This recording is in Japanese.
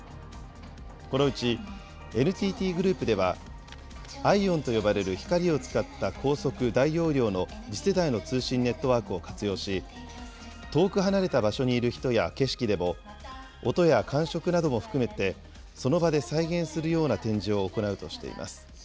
このうちＮＴＴグループでは、ＩＯＷＮと呼ばれる光を使った高速・大容量の次世代の通信ネットワークを活用し、遠く離れた場所にいる人や景色でも、音や感触なども含めて、その場で再現するような展示を行うとしています。